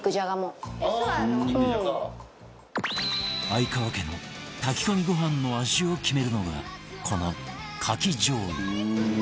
相川家の炊き込みご飯の味を決めるのがこのかき醤油